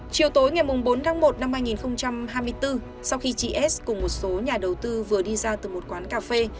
chiều tối ngày bốn tháng một năm hai nghìn hai mươi bốn sau khi chị s cùng một số nhà đầu tư vừa đi ra từ một quán cà phê